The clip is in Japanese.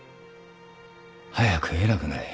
早く偉くなれ。